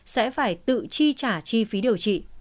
sẽ phải tự chi trả chi phí điều trị